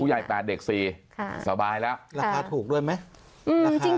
ผู้ใหญ่๘เด็กสี่ค่ะสบายแล้วราคาถูกด้วยไหม